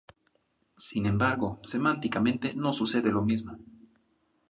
Sin embargo, semánticamente no sucede lo mismo.